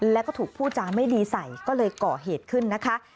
แล้วก็ถูกพูดจาไม่ดีใส่ก็เลยก่อเหตุขึ้นนะคะ